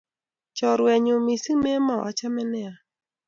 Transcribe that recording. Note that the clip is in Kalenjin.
Chorwennyu missing' Memo ,achame nia